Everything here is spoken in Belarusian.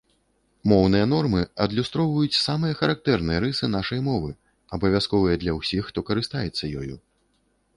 Моўныя нормы адлюстроўваюць самыя характэрныя рысы нашай мовы, абавязковыя для ўсіх, хто карыстаецца ёю.